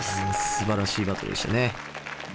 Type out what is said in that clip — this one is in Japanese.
すばらしいバトルでしたね。